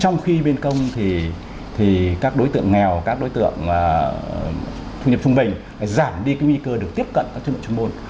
nhưng thì các đối tượng nghèo các đối tượng thu nhập trung bình giảm đi cái nguy cơ được tiếp cận các chất lượng trung môn